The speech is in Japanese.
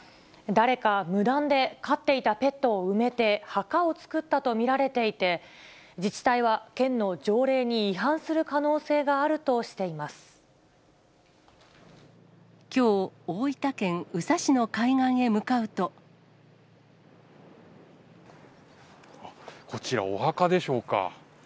誰か無断で飼っていたペットを埋めて、墓を作ったと見られていて、自治体は県の条例に違反する可能きょう、大分県宇佐市の海岸こちらお墓でしょうか。